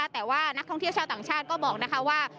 แต่ว่านักท่องเที่ยวชาวต่างชาติก็บอกว่า